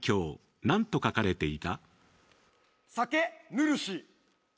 何と書かれていた？